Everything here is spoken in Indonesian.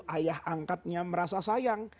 ayah angkatnya merasa sayang